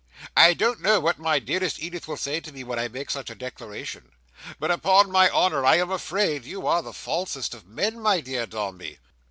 I don't know what my dearest Edith will say to me when I make such a declaration, but upon my honour I am afraid you are the falsest of men, my dear Dombey."